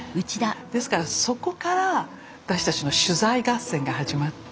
ですからそこから私たちの取材合戦が始まって。